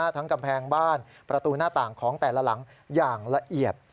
กำแพงบ้านประตูหน้าต่างของแต่ละหลังอย่างละเอียด